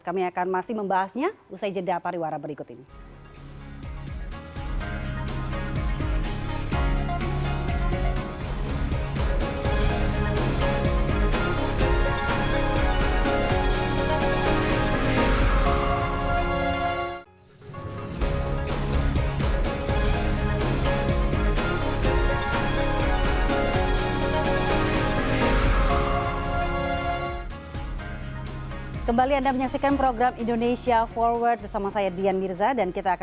kami akan masih membahasnya usai jeda pariwara berikut ini